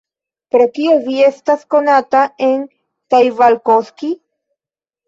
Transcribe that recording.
Pro kio vi estas konata en Taivalkoski?